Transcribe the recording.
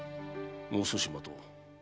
もう少し待とう。